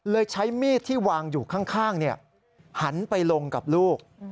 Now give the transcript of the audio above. ใช้มีดที่วางอยู่ข้างหันไปลงกับลูก